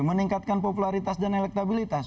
meningkatkan popularitas dan elektabilitas